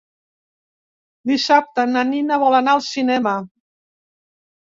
Dissabte na Nina vol anar al cinema.